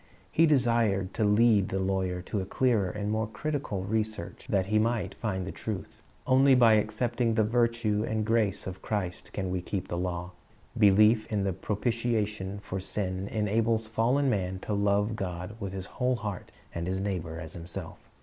He desired to lead the lawyer to clearer and more critical research, that he might find the truth. Only by accepting the virtue and grace of Christ can we keep the law. Belief in the propitiation for sin enables fallen man to love God with his whole heart, and his neighbor as himself.